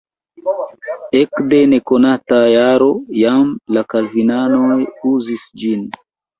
Ekde nekonata jaro jam la kalvinanoj uzis ĝin.